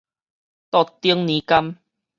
桌頂拈柑